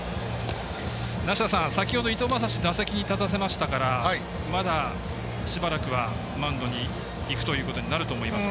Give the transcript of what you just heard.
梨田さん、伊藤将司打席に立たせましたからまだ、しばらくはマウンドにいくということになると思いますが。